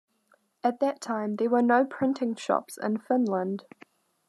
At that time there were no printing shops in Finland.